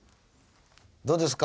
どうですか？